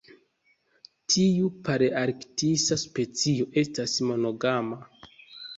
Tiu palearktisa specio estas monogama.